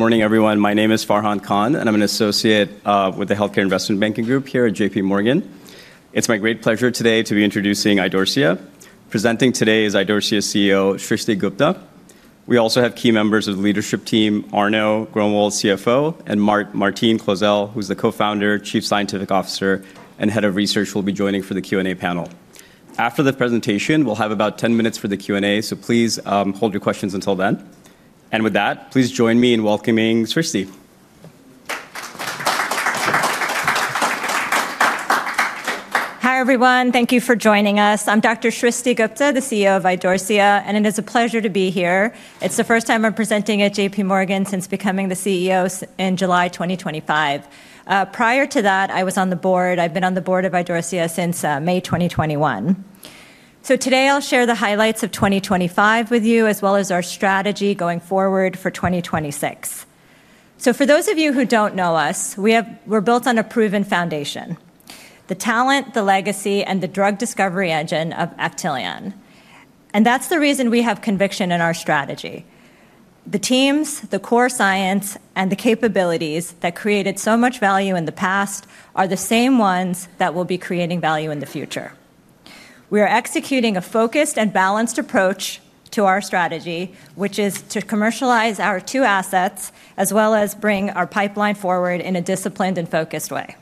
Good morning, everyone. My name is Farhan Khan, and I'm an associate with the Healthcare Investment Banking Group here at J.P. Morgan. It's my great pleasure today to be introducing Idorsia. Presenting today is Idorsia CEO Srishti Gupta. We also have key members of the leadership team: Arno Groenewoud, CFO, and Martine Clozel, who's the co-founder, chief scientific officer, and head of research, who will be joining for the Q&A panel. After the presentation, we'll have about 10 minutes for the Q&A, so please hold your questions until then, and with that, please join me in welcoming Srishti. Hi, everyone. Thank you for joining us. I'm Dr. Srishti Gupta, the CEO of Idorsia, and it is a pleasure to be here. It's the first time I'm presenting at J.P. Morgan since becoming the CEO in July 2025. Prior to that, I was on the board. I've been on the board of Idorsia since May 2021. So today, I'll share the highlights of 2025 with you, as well as our strategy going forward for 2026. So for those of you who don't know us, we're built on a proven foundation: the talent, the legacy, and the drug discovery engine of Actelion. And that's the reason we have conviction in our strategy. The teams, the core science, and the capabilities that created so much value in the past are the same ones that will be creating value in the future. We are executing a focused and balanced approach to our strategy, which is to commercialize our two assets as well as bring our pipeline forward in a disciplined and focused way.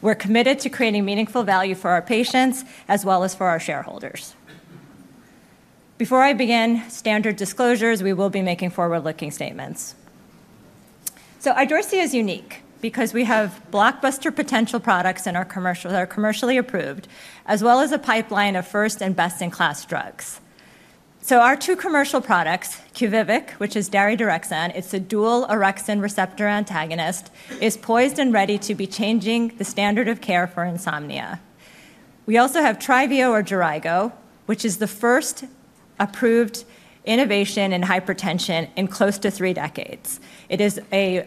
We're committed to creating meaningful value for our patients as well as for our shareholders. Before I begin standard disclosures, we will be making forward-looking statements, so Idorsia is unique because we have blockbuster potential products that are commercially approved, as well as a pipeline of first and best-in-class drugs, so our two commercial products, Quviviq, which is daridorexant, it's a dual orexin receptor antagonist, is poised and ready to be changing the standard of care for insomnia. We also have Tryvio or Jeraygo, which is the first approved innovation in hypertension in close to three decades. It is an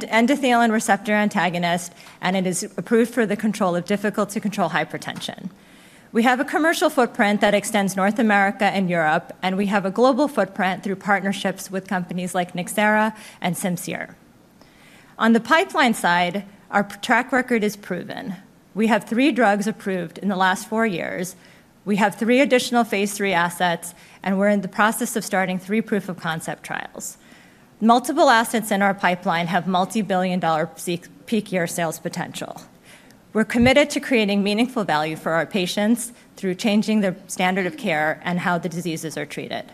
endothelin receptor antagonist, and it is approved for the control of difficult-to-control hypertension. We have a commercial footprint that extends North America and Europe, and we have a global footprint through partnerships with companies like Nxera and Simcere. On the pipeline side, our track record is proven. We have three drugs approved in the last four years. We have three additional Phase III assets, and we're in the process of starting three proof-of-concept trials. Multiple assets in our pipeline have multi-billion-dollar peak year sales potential. We're committed to creating meaningful value for our patients through changing the standard of care and how the diseases are treated.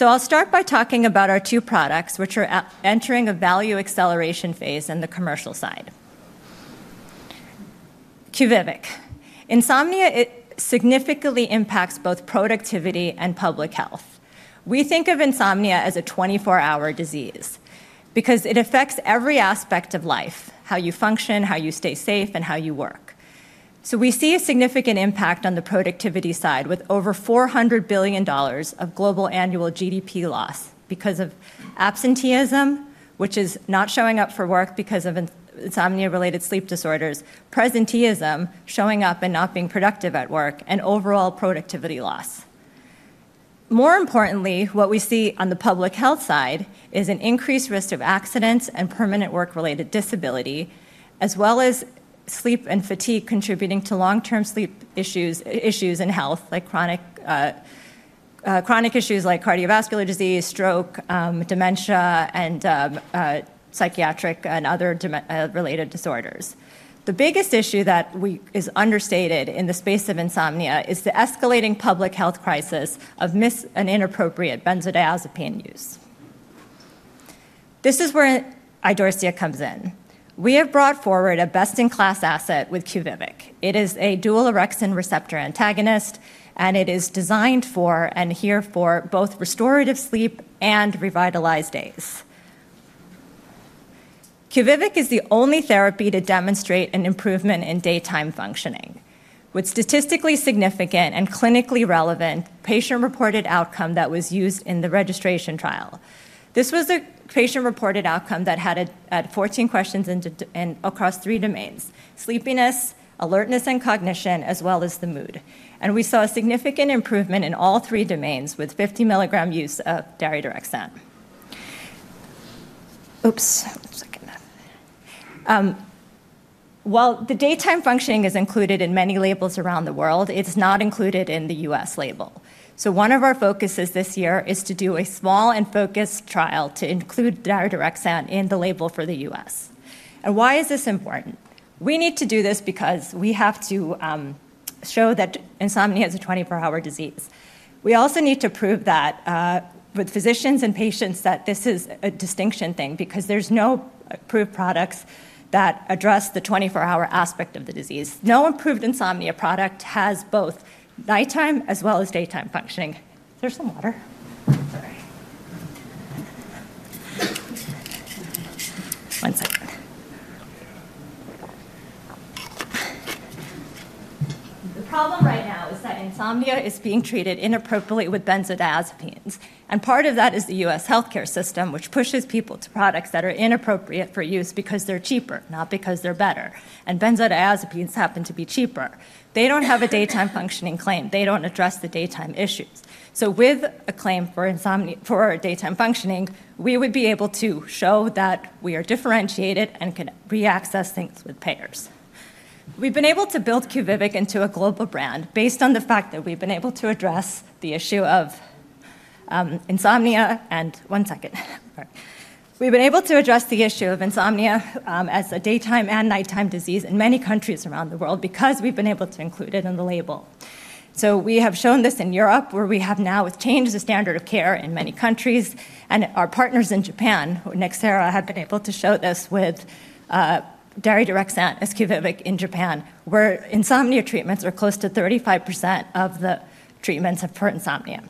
I'll start by talking about our two products, which are entering a value acceleration phase in the commercial side. Quviviq. Insomnia significantly impacts both productivity and public health. We think of insomnia as a 24-hour disease because it affects every aspect of life: how you function, how you stay safe, and how you work. So we see a significant impact on the productivity side with over $400 billion of global annual GDP loss because of absenteeism, which is not showing up for work because of insomnia-related sleep disorders, presenteeism showing up and not being productive at work, and overall productivity loss. More importantly, what we see on the public health side is an increased risk of accidents and permanent work-related disability, as well as sleep and fatigue contributing to long-term sleep issues and health, like chronic issues like cardiovascular disease, stroke, dementia, and psychiatric and other related disorders. The biggest issue that is understated in the space of insomnia is the escalating public health crisis of mis- and inappropriate benzodiazepine use. This is where Idorsia comes in. We have brought forward a best-in-class asset with Quviviq. It is a dual orexin receptor antagonist, and it is designed for and here for both restorative sleep and revitalized days. Quviviq is the only therapy to demonstrate an improvement in daytime functioning with statistically significant and clinically relevant patient-reported outcome that was used in the registration trial. This was a patient-reported outcome that had 14 questions across three domains: sleepiness, alertness, and cognition, as well as the mood. We saw a significant improvement in all three domains with 50 milligram use of daridorexant. Oops. While the daytime functioning is included in many labels around the world, it's not included in the U.S. label. One of our focuses this year is to do a small and focused trial to include daridorexant in the label for the U.S. Why is this important? We need to do this because we have to show that insomnia is a 24-hour disease. We also need to prove that with physicians and patients that this is a distinction thing because there's no approved products that address the 24-hour aspect of the disease. No improved insomnia product has both nighttime as well as daytime functioning. There's some water. Sorry. One second. The problem right now is that insomnia is being treated inappropriately with benzodiazepines. And part of that is the U.S. healthcare system, which pushes people to products that are inappropriate for use because they're cheaper, not because they're better. And benzodiazepines happen to be cheaper. They don't have a daytime functioning claim. They don't address the daytime issues. So with a claim for daytime functioning, we would be able to show that we are differentiated and can re-access things with payers. We've been able to build Quviviq into a global brand based on the fact that we've been able to address the issue of insomnia. And one second. We've been able to address the issue of insomnia as a daytime and nighttime disease in many countries around the world because we've been able to include it in the label. So we have shown this in Europe, where we have now changed the standard of care in many countries. And our partners in Japan, Nxera, have been able to show this with daridorexant as Quviviq in Japan, where insomnia treatments are close to 35% of the treatments for insomnia.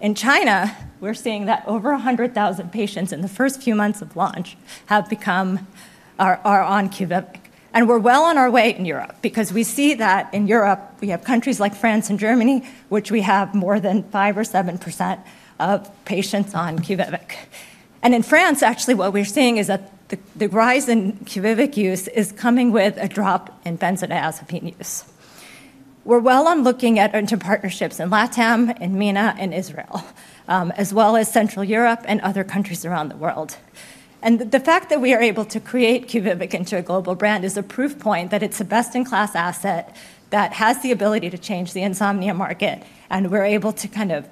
In China, we're seeing that over 100,000 patients in the first few months of launch have become on Quviviq. And we're well on our way in Europe because we see that in Europe, we have countries like France and Germany, which we have more than 5% or 7% of patients on Quviviq. And in France, actually, what we're seeing is that the rise in Quviviq use is coming with a drop in benzodiazepine use. We're well on looking at partnerships in LATAM, in MENA, in Israel, as well as Central Europe and other countries around the world. And the fact that we are able to create Quviviq into a global brand is a proof point that it's a best-in-class asset that has the ability to change the insomnia market. And we're able to kind of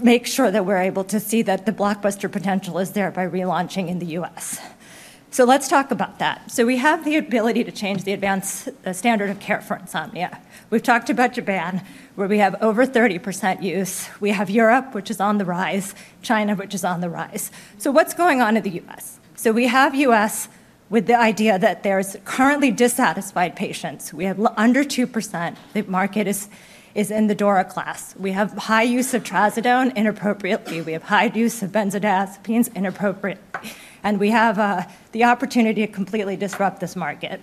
make sure that we're able to see that the blockbuster potential is there by relaunching in the U.S. So let's talk about that. So we have the ability to change the advanced standard of care for insomnia. We've talked about Japan, where we have over 30% use. We have Europe, which is on the rise, China, which is on the rise. So what's going on in the U.S.? So we have U.S. with the idea that there's currently dissatisfied patients. We have under 2%. The market is in the DORA class. We have high use of trazodone inappropriately. We have high use of benzodiazepines inappropriately. And we have the opportunity to completely disrupt this market.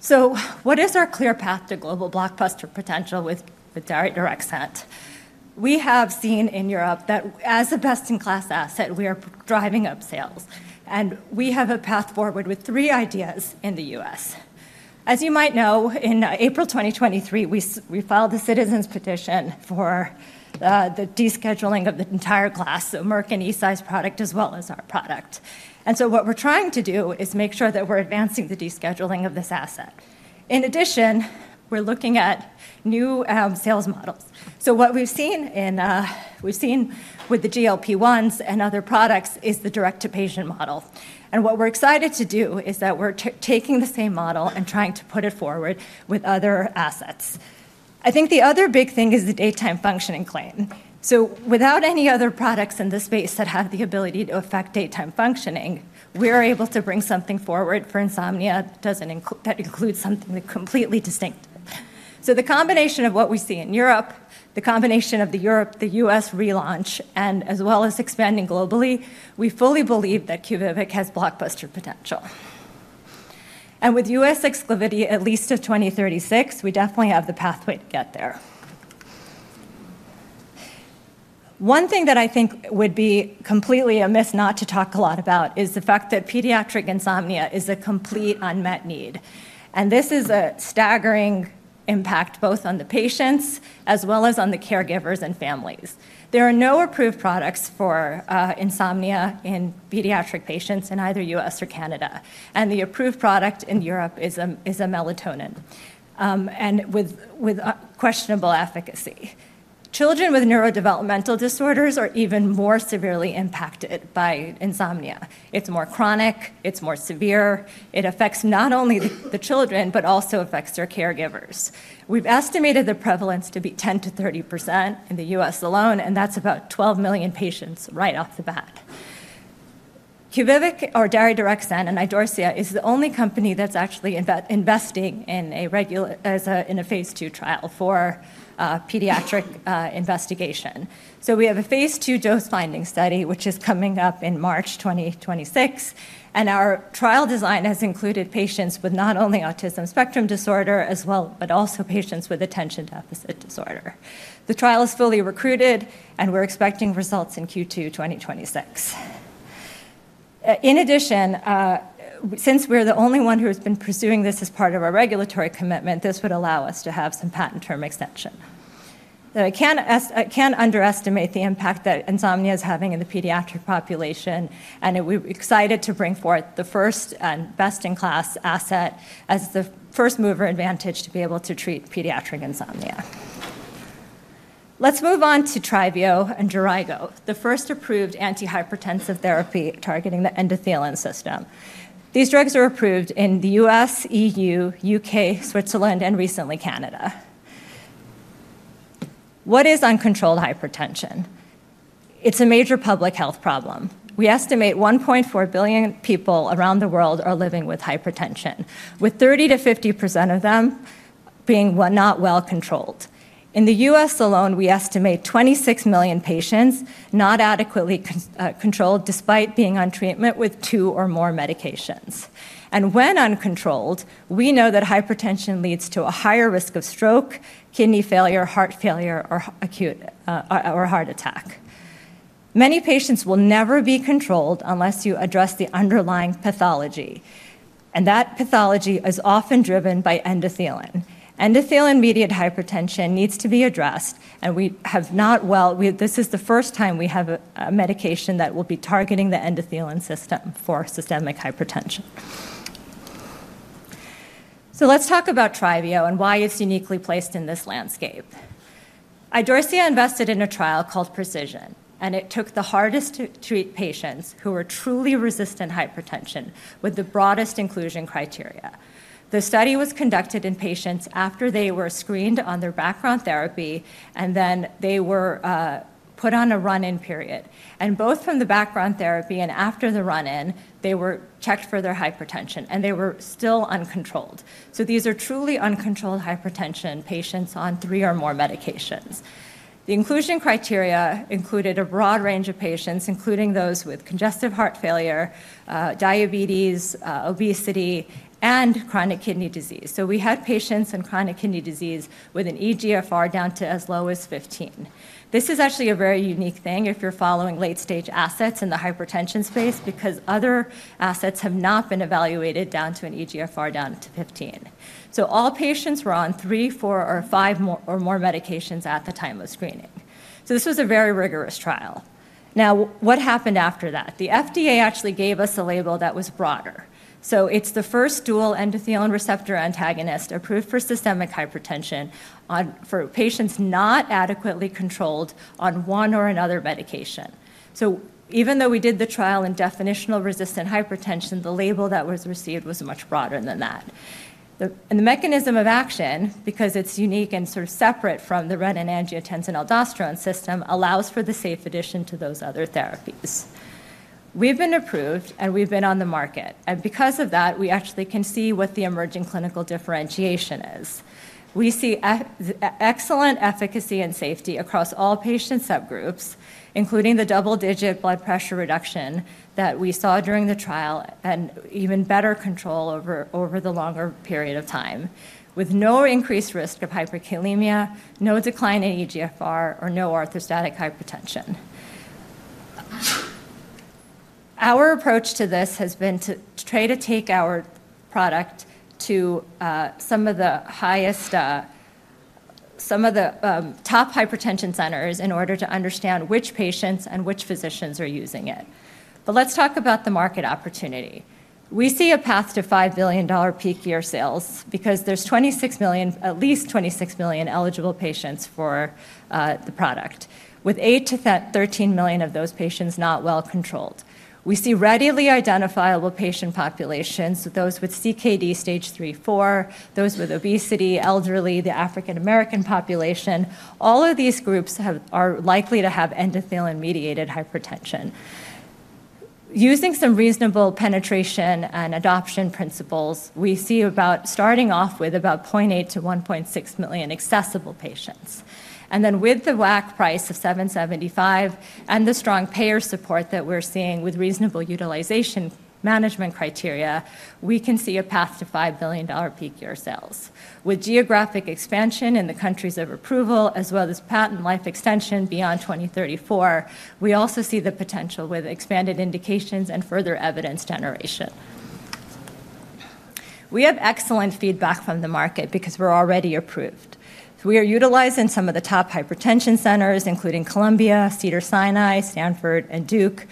So what is our clear path to global blockbuster potential with daridorexant? We have seen in Europe that as a best-in-class asset, we are driving up sales. And we have a path forward with three indications in the U.S. As you might know, in April 2023, we filed a citizens' petition for the descheduling of the entire class, the Merck and Eisai product, as well as our product. And so what we're trying to do is make sure that we're advancing the descheduling of this asset. In addition, we're looking at new sales models. So what we've seen with the GLP-1s and other products is the direct-to-patient model. And what we're excited to do is that we're taking the same model and trying to put it forward with other assets. I think the other big thing is the daytime functioning claim. So without any other products in the space that have the ability to affect daytime functioning, we are able to bring something forward for insomnia that includes something completely distinct. So the combination of what we see in Europe, the combination of the Europe-U.S. relaunch, and as well as expanding globally, we fully believe that Quviviq has blockbuster potential. And with U.S. exclusivity at least of 2036, we definitely have the pathway to get there. One thing that I think would be completely amiss not to talk a lot about is the fact that pediatric insomnia is a complete unmet need. And this is a staggering impact both on the patients as well as on the caregivers and families. There are no approved products for insomnia in pediatric patients in either U.S. or Canada. And the approved product in Europe is a melatonin, and with questionable efficacy. Children with neurodevelopmental disorders are even more severely impacted by insomnia. It's more chronic. It's more severe. It affects not only the children, but also affects their caregivers. We've estimated the prevalence to be 10%-30% in the U.S. alone, and that's about 12 million patients right off the bat. Quviviq or daridorexant and Idorsia is the only company that's actually investing in a Phase II trial for pediatric investigation. So we have a Phase II dose-finding study, which is coming up in March 2026, and our trial design has included patients with not only autism spectrum disorder, but also patients with attention deficit disorder. The trial is fully recruited, and we're expecting results in Q2 2026. In addition, since we're the only one who has been pursuing this as part of our regulatory commitment, this would allow us to have some patent term extension. I can't underestimate the impact that insomnia is having in the pediatric population, and we're excited to bring forth the first and best-in-class asset as the first mover advantage to be able to treat pediatric insomnia. Let's move on to Tryvio and Jeraygo, the first approved antihypertensive therapy targeting the endothelin system. These drugs are approved in the U.S., E.U., U.K., Switzerland, and recently Canada. What is uncontrolled hypertension? It's a major public health problem. We estimate 1.4 billion people around the world are living with hypertension, with 30%-50% of them being not well controlled. In the U.S. alone, we estimate 26 million patients not adequately controlled despite being on treatment with two or more medications, and when uncontrolled, we know that hypertension leads to a higher risk of stroke, kidney failure, heart failure, or heart attack. Many patients will never be controlled unless you address the underlying pathology. And that pathology is often driven by endothelin. Endothelin-mediated hypertension needs to be addressed, and we have now. Well, this is the first time we have a medication that will be targeting the endothelin system for systemic hypertension. So let's talk about Tryvio and why it's uniquely placed in this landscape. Idorsia invested in a trial called Precision, and it took the hardest-to-treat patients who were truly resistant hypertension with the broadest inclusion criteria. The study was conducted in patients after they were screened on their background therapy, and then they were put on a run-in period. And both from the background therapy and after the run-in, they were checked for their hypertension, and they were still uncontrolled. So these are truly uncontrolled hypertension patients on three or more medications. The inclusion criteria included a broad range of patients, including those with congestive heart failure, diabetes, obesity, and chronic kidney disease. So we had patients in chronic kidney disease with an eGFR down to as low as 15. This is actually a very unique thing if you're following late-stage assets in the hypertension space because other assets have not been evaluated down to an eGFR down to 15. So all patients were on three, four, or five or more medications at the time of screening. So this was a very rigorous trial. Now, what happened after that? The FDA actually gave us a label that was broader. So it's the first dual endothelin receptor antagonist approved for systemic hypertension for patients not adequately controlled on one or another medication. So even though we did the trial in definitionally resistant hypertension, the label that was received was much broader than that. The mechanism of action, because it's unique and sort of separate from the renin-angiotensin-aldosterone system, allows for the safe addition to those other therapies. We've been approved, and we've been on the market. And because of that, we actually can see what the emerging clinical differentiation is. We see excellent efficacy and safety across all patient subgroups, including the double-digit blood pressure reduction that we saw during the trial and even better control over the longer period of time, with no increased risk of hyperkalemia, no decline in eGFR, or no orthostatic hypotension. Our approach to this has been to try to take our product to some of the top hypertension centers in order to understand which patients and which physicians are using it. But let's talk about the market opportunity. We see a path to $5 billion peak year sales because there's at least 26 million eligible patients for the product, with 8-13 million of those patients not well controlled. We see readily identifiable patient populations, those with CKD stage three, four, those with obesity, elderly, the African-American population. All of these groups are likely to have endothelin-mediated hypertension. Using some reasonable penetration and adoption principles, we see about starting off with about 0.8-1.6 million accessible patients. And then with the WAC price of $775 and the strong payer support that we're seeing with reasonable utilization management criteria, we can see a path to $5 billion peak year sales. With geographic expansion in the countries of approval, as well as patent life extension beyond 2034, we also see the potential with expanded indications and further evidence generation. We have excellent feedback from the market because we're already approved. We are utilizing some of the top hypertension centers, including Columbia, Cedars-Sinai, Stanford, and Duke.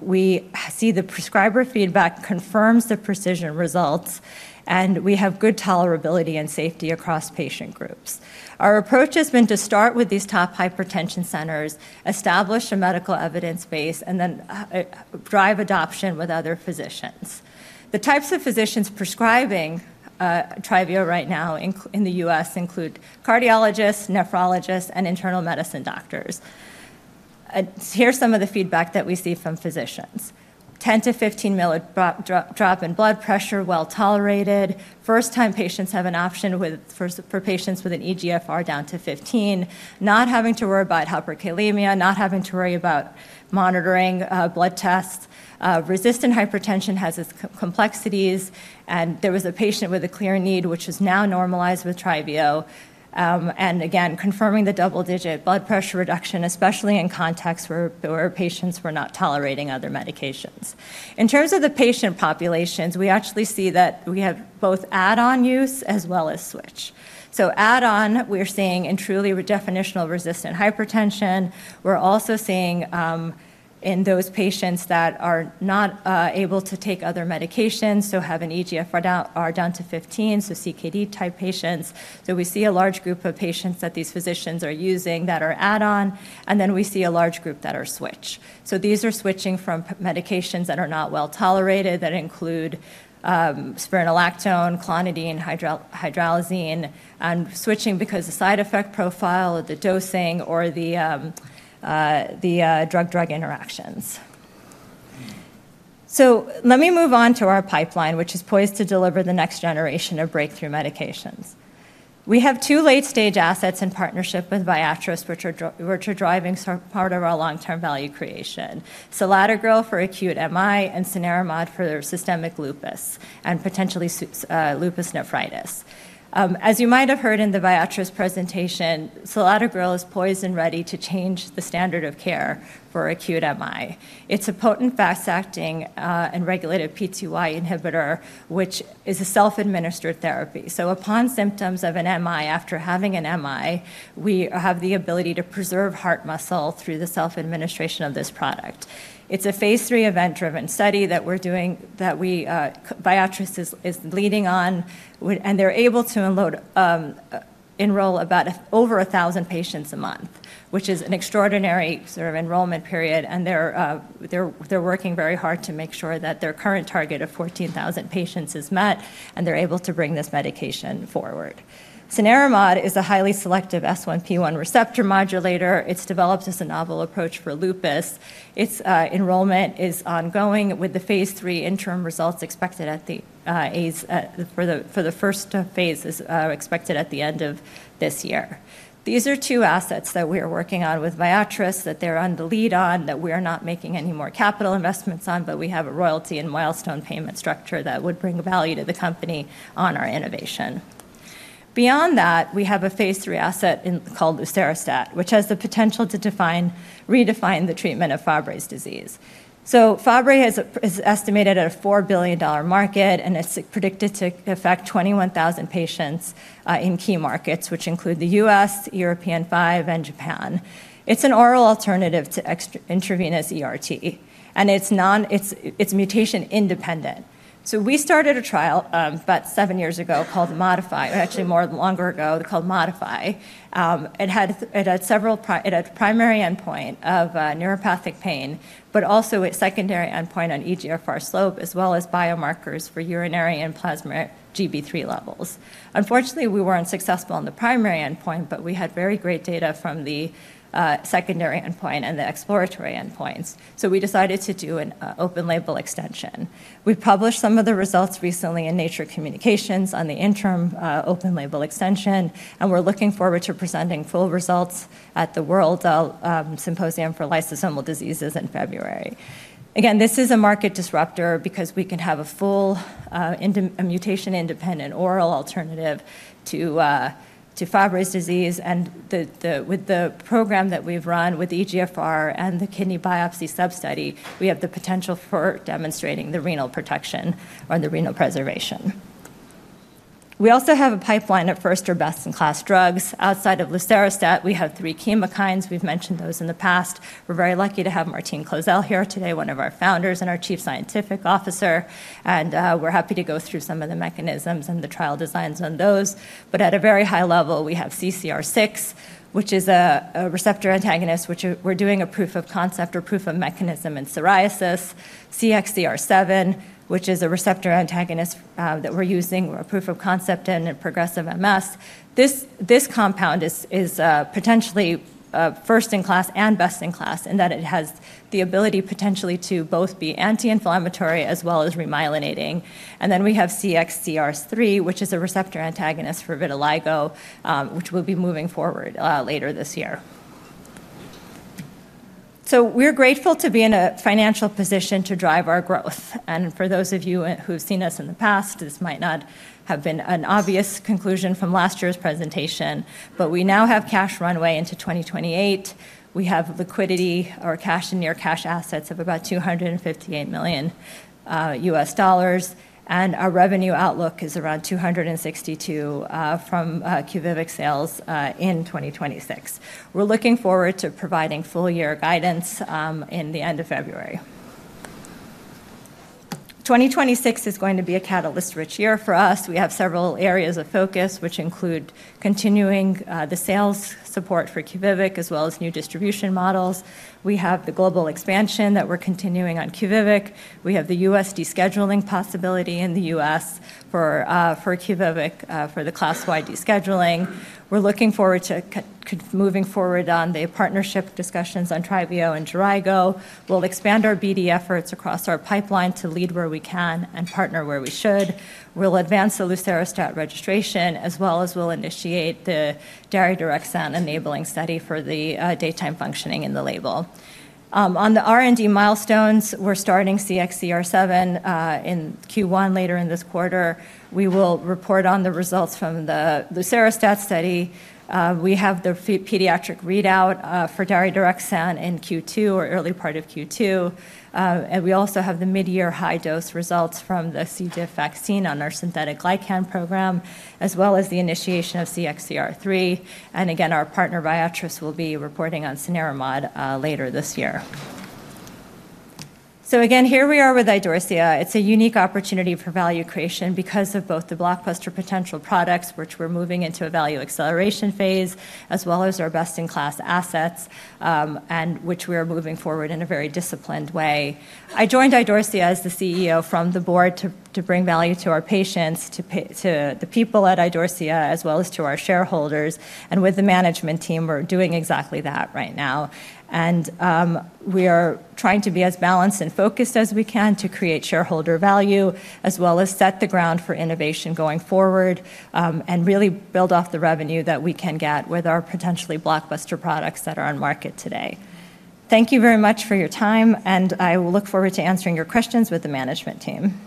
We see the prescriber feedback confirms the Precision results, and we have good tolerability and safety across patient groups. Our approach has been to start with these top hypertension centers, establish a medical evidence base, and then drive adoption with other physicians. The types of physicians prescribing Tryvio right now in the U.S. include cardiologists, nephrologists, and internal medicine doctors. Here's some of the feedback that we see from physicians. 10 to 15 mm drop in blood pressure, well tolerated. First-time patients have an option for patients with an eGFR down to 15, not having to worry about hyperkalemia, not having to worry about monitoring blood tests. Resistant hypertension has its complexities, and there was a patient with a clear need, which has now normalized with Tryvio, and again, confirming the double-digit blood pressure reduction, especially in contexts where patients were not tolerating other medications. In terms of the patient populations, we actually see that we have both add-on use as well as switch. So add-on, we're seeing in truly definitional resistant hypertension. We're also seeing in those patients that are not able to take other medications, so have an eGFR down to 15, so CKD-type patients. So we see a large group of patients that these physicians are using that are add-on, and then we see a large group that are switch. So these are switching from medications that are not well tolerated that include spironolactone, clonidine, hydralazine, and switching because of the side effect profile, the dosing, or the drug-drug interactions. So let me move on to our pipeline, which is poised to deliver the next generation of breakthrough medications. We have two late-stage assets in partnership with Viatris, which are driving part of our long-term value creation. Selatogrel for acute MI and cenerimod for systemic lupus and potentially lupus nephritis. As you might have heard in the Viatris presentation, selatogrel is poised and ready to change the standard of care for acute MI. It's a potent fast-acting and regulated P2Y12 inhibitor, which is a self-administered therapy. So upon symptoms of an MI, after having an MI, we have the ability to preserve heart muscle through the self-administration of this product. It's a phase three event-driven study that we're doing that Viatris is leading on, and they're able to enroll about over 1,000 patients a month, which is an extraordinary sort of enrollment period. They're working very hard to make sure that their current target of 14,000 patients is met, and they're able to bring this medication forward. Cenerimod is a highly selective S1P1 receptor modulator. It's developed as a novel approach for lupus. Its enrollment is ongoing with the Phase III interim results expected for the first half at the end of this year. These are two assets that we are working on with Viatris that they're on the lead on, that we are not making any more capital investments on, but we have a royalty and milestone payment structure that would bring value to the company on our innovation. Beyond that, we have a Phase III asset called lucerostat, which has the potential to redefine the treatment of Fabry's disease. Fabry is estimated at a $4 billion market, and it's predicted to affect 21,000 patients in key markets, which include the U.S., European 5, and Japan. It's an oral alternative to intravenous ERT, and it's mutation-independent. We started a trial about seven years ago called Modify, or actually longer ago, called Modify. It had a primary endpoint of neuropathic pain, but also a secondary endpoint on eGFR slope, as well as biomarkers for urinary and plasma GB3 levels. Unfortunately, we weren't successful on the primary endpoint, but we had very great data from the secondary endpoint and the exploratory endpoints. We decided to do an open-label extension. We published some of the results recently in Nature Communications on the interim open-label extension, and we're looking forward to presenting full results at the World Symposium for Lysosomal Diseases in February. Again, this is a market disruptor because we can have a full mutation-independent oral alternative to Fabry's disease, and with the program that we've run with eGFR and the kidney biopsy sub-study, we have the potential for demonstrating the renal protection or the renal preservation. We also have a pipeline of first or best-in-class drugs. Outside of Lucerostat, we have three chemokines. We've mentioned those in the past. We're very lucky to have Martine Clozel here today, one of our founders and our Chief Scientific Officer, and we're happy to go through some of the mechanisms and the trial designs on those, but at a very high level, we have CCR6, which is a receptor antagonist, which we're doing a proof of concept or proof of mechanism in psoriasis, CXCR7, which is a receptor antagonist that we're using a proof of concept in progressive MS. This compound is potentially first-in-class and best-in-class in that it has the ability potentially to both be anti-inflammatory as well as remyelinating. Then we have CXCR3, which is a receptor antagonist for vitiligo, which we'll be moving forward later this year. We're grateful to be in a financial position to drive our growth. For those of you who've seen us in the past, this might not have been an obvious conclusion from last year's presentation, but we now have cash runway into 2028. We have liquidity, or cash and near cash assets of about $258 million, and our revenue outlook is around $262 million from Quviviq sales in 2026. We're looking forward to providing full-year guidance at the end of February. 2026 is going to be a catalyst-rich year for us. We have several areas of focus, which include continuing the sales support for Quviviq as well as new distribution models. We have the global expansion that we're continuing on Quviviq. We have the U.S. descheduling possibility in the U.S. for Quviviq for the class-wide descheduling. We're looking forward to moving forward on the partnership discussions on Tryvio and Jeraygo. We'll expand our BD efforts across our pipeline to lead where we can and partner where we should. We'll advance the lucerostat registration, as well as we'll initiate the daridorexant enabling study for the daytime functioning in the label. On the R&D milestones, we're starting CXCR7 in Q1 later in this quarter. We will report on the results from the lucerostat study. We have the pediatric readout for daridorexant in Q2 or early part of Q2. We also have the mid-year high-dose results from the C.diff vaccine on our synthetic glycan program, as well as the initiation of CXCR3. Again, our partner Viatris will be reporting on cenerimod later this year. Again, here we are with Idorsia. It's a unique opportunity for value creation because of both the blockbuster potential products, which we're moving into a value acceleration phase, as well as our best-in-class assets, and which we are moving forward in a very disciplined way. I joined Idorsia as the CEO from the board to bring value to our patients, to the people at Idorsia, as well as to our shareholders. With the management team, we're doing exactly that right now. And we are trying to be as balanced and focused as we can to create shareholder value, as well as set the ground for innovation going forward and really build off the revenue that we can get with our potentially blockbuster products that are on market today. Thank you very much for your time, and I will look forward to answering your questions with the management team.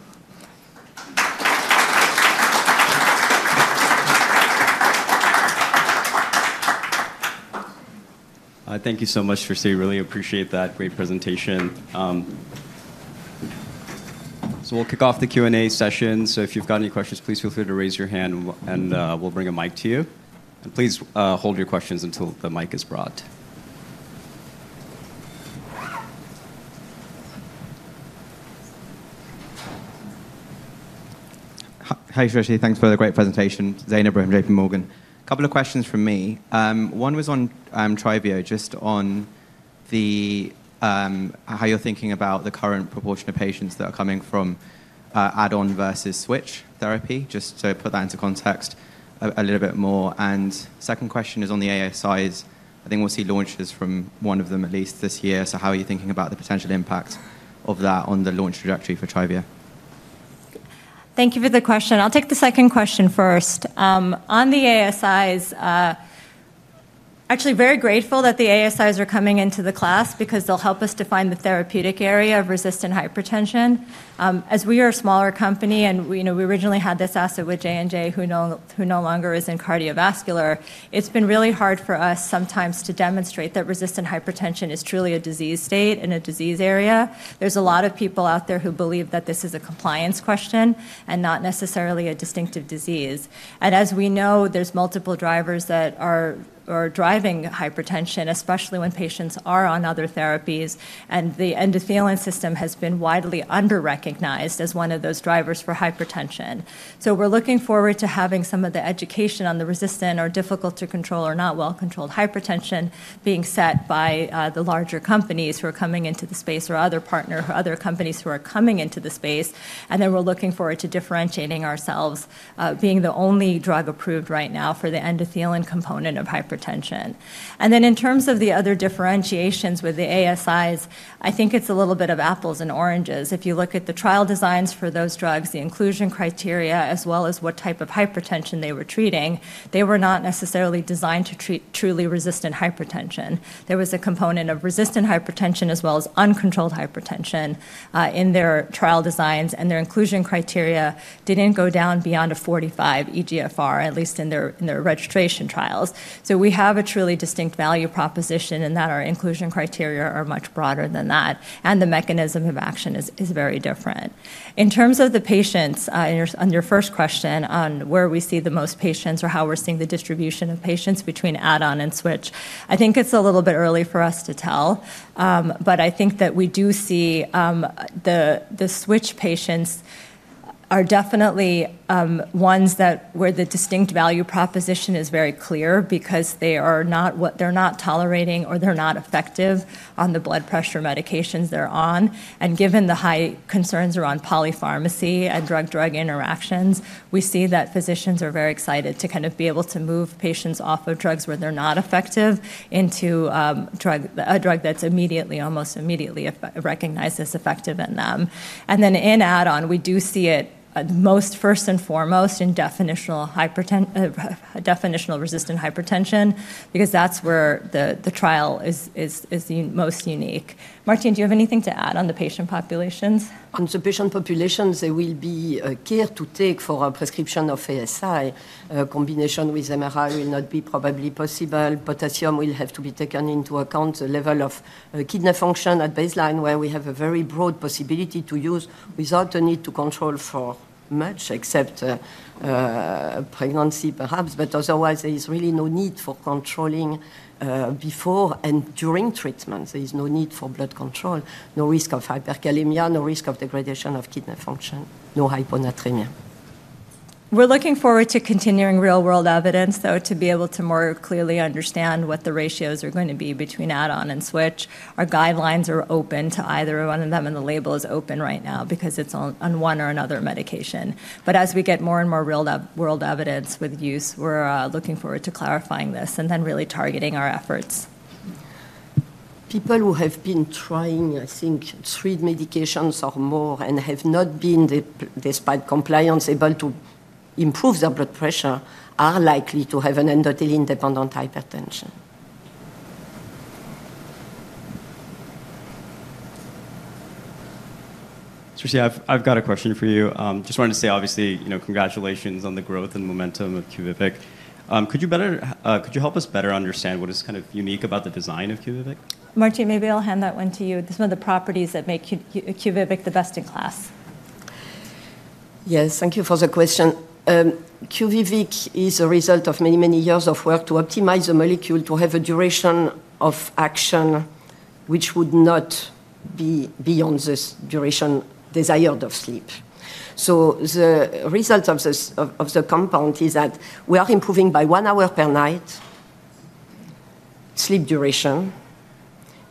Thank you so much, Srishti. Really appreciate that great presentation. So we'll kick off the Q&A session. So if you've got any questions, please feel free to raise your hand, and we'll bring a mic to you. And please hold your questions until the mic is brought. Hi, Srishti. Thanks for the great presentation. Zainab from JPMorgan. A couple of questions from me. One was on Tryvio, just on how you're thinking about the current proportion of patients that are coming from add-on versus switch therapy, just to put that into context a little bit more. And second question is on the ASIs. I think we'll see launches from one of them at least this year. So how are you thinking about the potential impact of that on the launch trajectory for Tryvio? Thank you for the question. I'll take the second question first. On the ASIs, actually very grateful that the ASIs are coming into the class because they'll help us define the therapeutic area of resistant hypertension. As we are a smaller company and we originally had this asset with J&J, who no longer is in cardiovascular, it's been really hard for us sometimes to demonstrate that resistant hypertension is truly a disease state and a disease area. There's a lot of people out there who believe that this is a compliance question and not necessarily a distinctive disease. And as we know, there's multiple drivers that are driving hypertension, especially when patients are on other therapies, and the endothelin system has been widely under-recognized as one of those drivers for hypertension. We're looking forward to having some of the education on the resistant or difficult to control or not well-controlled hypertension being set by the larger companies who are coming into the space or other partners or other companies who are coming into the space. We're looking forward to differentiating ourselves, being the only drug approved right now for the endothelin component of hypertension. In terms of the other differentiations with the ASIs, I think it's a little bit of apples and oranges. If you look at the trial designs for those drugs, the inclusion criteria, as well as what type of hypertension they were treating, they were not necessarily designed to treat truly resistant hypertension. There was a component of resistant hypertension as well as uncontrolled hypertension in their trial designs, and their inclusion criteria didn't go down beyond a 45 eGFR, at least in their registration trials. So we have a truly distinct value proposition in that our inclusion criteria are much broader than that, and the mechanism of action is very different. In terms of the patients, on your first question on where we see the most patients or how we're seeing the distribution of patients between add-on and switch, I think it's a little bit early for us to tell, but I think that we do see the switch patients are definitely ones where the distinct value proposition is very clear because they are not tolerating or they're not effective on the blood pressure medications they're on. And given the high concerns around polypharmacy and drug-drug interactions, we see that physicians are very excited to kind of be able to move patients off of drugs where they're not effective into a drug that's immediately, almost immediately recognized as effective in them. And then in add-on, we do see it most first and foremost in definitional resistant hypertension because that's where the trial is most unique. Martine, do you have anything to add on the patient populations? On the patient populations, there will be care to take for prescription of ASI. Combination with MRA will not be probably possible. Potassium will have to be taken into account, the level of kidney function at baseline where we have a very broad possibility to use without the need to control for much, except pregnancy perhaps, but otherwise there is really no need for controlling before and during treatment. There is no need for blood control, no risk of hyperkalemia, no risk of degradation of kidney function, no hyponatremia. We're looking forward to continuing real-world evidence, though, to be able to more clearly understand what the ratios are going to be between add-on and switch. Our guidelines are open to either one of them, and the label is open right now because it's on one or another medication, but as we get more and more real-world evidence with use, we're looking forward to clarifying this and then really targeting our efforts. People who have been trying, I think, three medications or more and have not been, despite compliance, able to improve their blood pressure are likely to have an endothelin-dependent hypertension. Srishti, I've got a question for you. Just wanted to say, obviously, congratulations on the growth and momentum of Quviviq. Could you help us better understand what is kind of unique about the design of Quviviq? Martine, maybe I'll hand that one to you. Some of the properties that make Quviviq the best-in-class. Yes, thank you for the question. Quviviq is a result of many, many years of work to optimize a molecule to have a duration of action which would not be beyond this duration desired of sleep. So the result of the compound is that we are improving by one hour per night sleep duration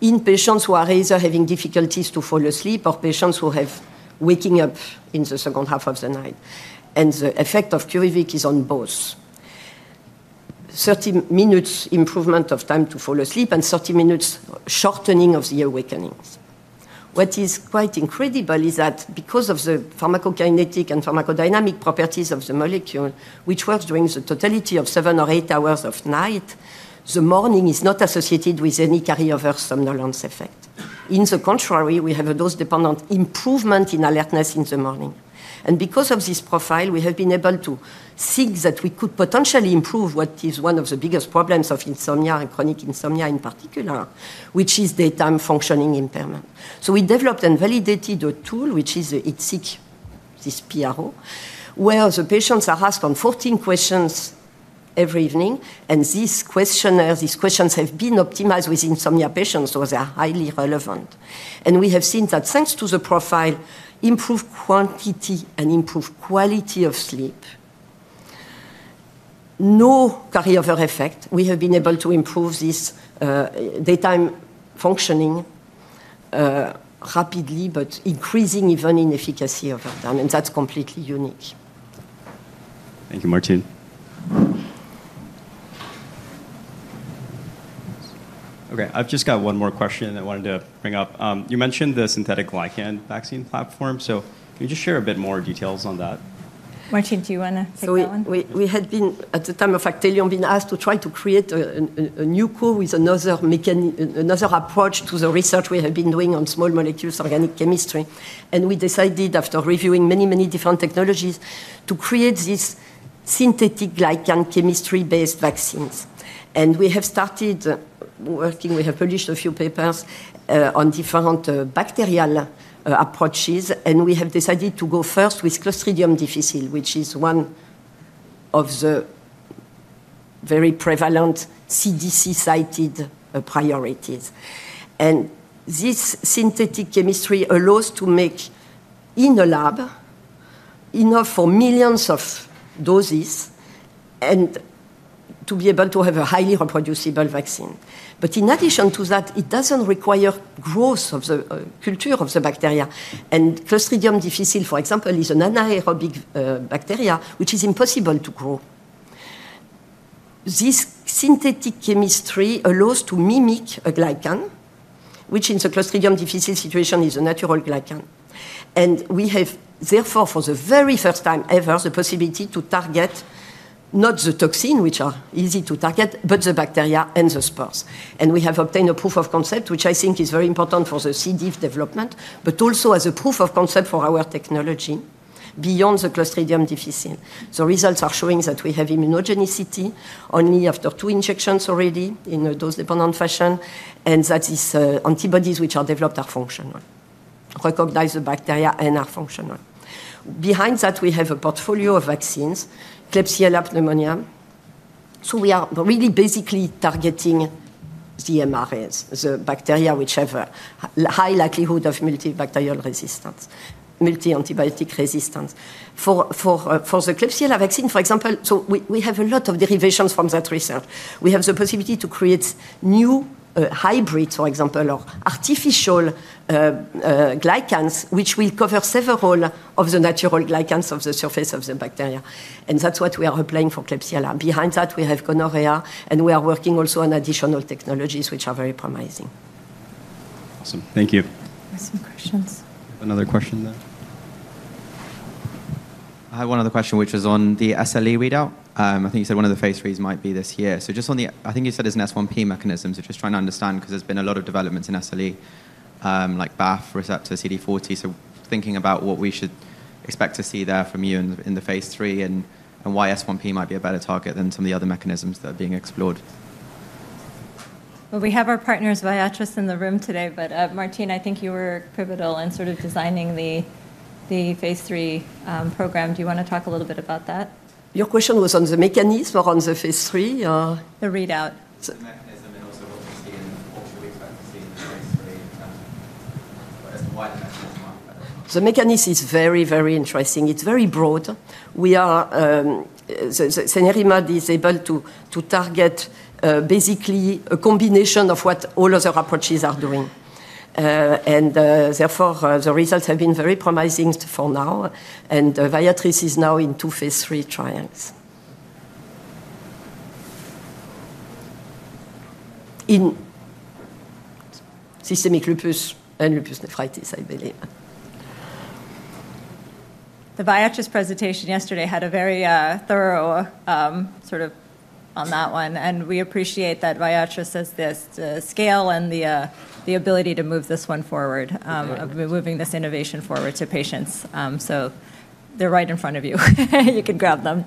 in patients who are either having difficulties to fall asleep or patients who have waking up in the second half of the night. And the effect of Quviviq is on both. 30 minutes improvement of time to fall asleep and 30 minutes shortening of the awakenings. What is quite incredible is that because of the pharmacokinetic and pharmacodynamic properties of the molecule, which works during the totality of seven or eight hours of night, the morning is not associated with any carryover somnolence effect. On the contrary, we have a dose-dependent improvement in alertness in the morning. And because of this profile, we have been able to see that we could potentially improve what is one of the biggest problems of insomnia and chronic insomnia in particular, which is daytime functioning impairment. So we developed and validated a tool which is the IDSIQ, this PRO, where the patients are asked on 14 questions every evening, and these questions have been optimized with insomnia patients, so they are highly relevant. And we have seen that thanks to the profile, improved quantity and improved quality of sleep, no carryover effect. We have been able to improve this daytime functioning rapidly, but increasing even in efficacy over time, and that's completely unique. Thank you, Martine. Okay, I've just got one more question I wanted to bring up. You mentioned the synthetic glycan vaccine platform, so can you just share a bit more details on that? Martine, do you want to take that one? So we had been, at the time of Actelion, asked to try to create a new core with another approach to the research we have been doing on small molecules organic chemistry. And we decided, after reviewing many, many different technologies, to create these synthetic glycan chemistry-based vaccines. And we have started working. We have published a few papers on different bacterial approaches, and we have decided to go first with Clostridium difficile, which is one of the very prevalent CDC-cited priorities. And this synthetic chemistry allows to make in a lab enough for millions of doses and to be able to have a highly reproducible vaccine. But in addition to that, it doesn't require growth of the culture of the bacteria. And Clostridium difficile, for example, is an anaerobic bacteria, which is impossible to grow. This synthetic chemistry allows to mimic a glycan, which in the Clostridium difficile situation is a natural glycan, and we have, therefore, for the very first time ever, the possibility to target not the toxin, which are easy to target, but the bacteria and the spores, and we have obtained a proof of concept, which I think is very important for the C. diff development, but also as a proof of concept for our technology beyond the Clostridium difficile. The results are showing that we have immunogenicity only after two injections already in a dose-dependent fashion, and that these antibodies, which are developed, are functional, recognize the bacteria and are functional. Behind that, we have a portfolio of vaccines, Klebsiella pneumoniae, so we are really basically targeting the MDRs, the bacteria which have a high likelihood of multi-bacterial resistance, multi-antibiotic resistance. For the Klebsiella vaccine, for example, so we have a lot of derivations from that research. We have the possibility to create new hybrids, for example, or artificial glycans, which will cover several of the natural glycans of the surface of the bacteria, and that's what we are applying for Klebsiella. Behind that, we have gonorrhea, and we are working also on additional technologies which are very promising. Awesome. Thank you. Awesome questions. Another question there? I have one other question, which was on the SLE readout. I think you said one of the Phase IIIs might be this year. So just on the, I think you said it's an S1P mechanism, so just trying to understand because there's been a lot of developments in SLE, like BAFF receptor, CD40. So thinking about what we should expect to see there from you in the Phase III and why S1P might be a better target than some of the other mechanisms that are being explored. We have our partners, Viatris, in the room today, but Martine, I think you were pivotal in sort of designing the Phase III program. Do you want to talk a little bit about that? Your question was on the mechanism or on the Phase III? The readout. The mechanism and also what we see and what we expect to see in the Phase III, why the mechanism might be better. The mechanism is very, very interesting. It's very broad. Zainab is able to target basically a combination of what all other approaches are doing. And therefore, the results have been very promising for now. And Viatris is now in two Phase III trials. In systemic lupus and lupus nephritis, I believe. The Viatris presentation yesterday had a very thorough sort of on that one. And we appreciate that Viatris has this scale and the ability to move this one forward, moving this innovation forward to patients. So they're right in front of you. You can grab them.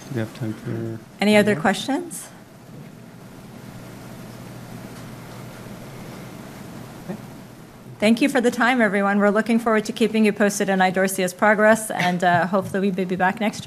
Do we have time for? Any other questions? Thank you for the time, everyone. We're looking forward to keeping you posted on Idorsia's progress and hopefully we may be back next week.